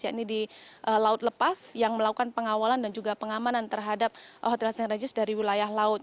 ya ini di laut lepas yang melakukan pengawalan dan juga pengamanan terhadap hotel st regis dari wilayah laut